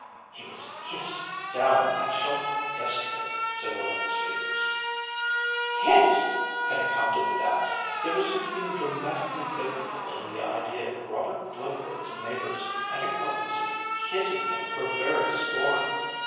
"He was hissed down at Shoalford yesterday," said one of the speakers. Hissed! Had it come to that? There was something dramatically biblical in the idea of Robert Bludward's neighbours and acquaintances hissing him for very scorn.